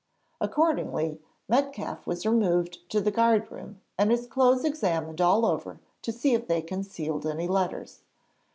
Accordingly Metcalfe was removed to the guard room and his clothes examined all over to see if they concealed any letters.